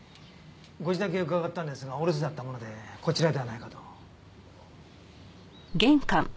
ご自宅へ伺ったんですがお留守だったものでこちらではないかと。